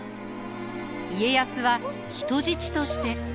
家康は人質として。